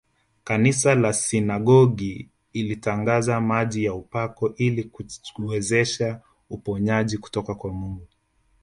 Kanisa la sinagogi ilitangaza maji ya upako ili kuwezesha uponyaji kutoka kwa Mungu